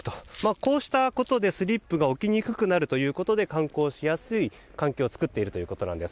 こうしたことでスリップが起きにくくなるということで観光しやすい環境を作っているということなんです。